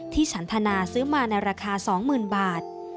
ฉันทนาซื้อมาในราคา๒๐๐๐บาท